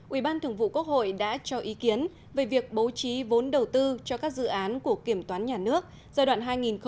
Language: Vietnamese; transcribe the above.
ủy ban thường vụ quốc hội đã cho ý kiến về việc bố trí vốn đầu tư cho các dự án của kiểm toán nhà nước giai đoạn hai nghìn một mươi sáu hai nghìn hai mươi